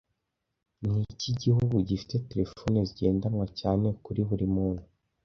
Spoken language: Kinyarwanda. Niki gihugu gifite terefone zigendanwa cyane kuri buri muntu